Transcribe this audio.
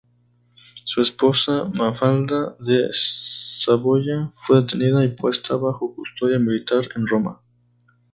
Su esposa Mafalda de Saboya fue detenida y puesta bajo custodia militar en Roma.